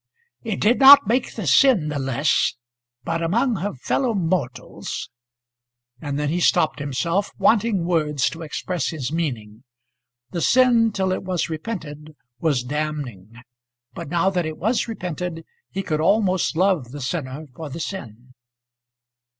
"It did not make the sin the less; but among her fellow mortals " And then he stopped himself, wanting words to express his meaning. The sin, till it was repented, was damning; but now that it was repented, he could almost love the sinner for the sin.